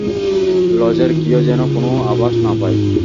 লজের কেউ যেন কোনও আভাস না পায়।